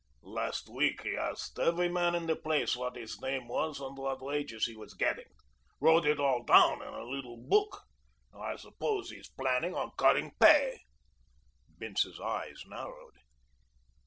"Last week he asked every man in the place what his name was and what wages he was getting. Wrote it all down in a little book. I suppose he is planning on cutting pay." Bince's eyes narrowed.